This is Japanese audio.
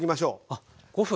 あっ５分。